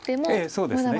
そうですね。